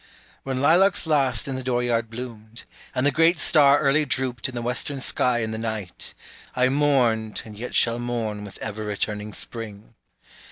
When lilacs last in the door yard bloomed, And the great star early drooped in the western sky in the night, I mourned and yet shall mourn with ever returning spring.